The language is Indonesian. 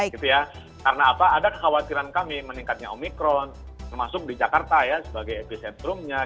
karena ada kekhawatiran kami meningkatnya omicron termasuk di jakarta sebagai epicentrumnya